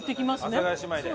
阿佐ヶ谷姉妹で。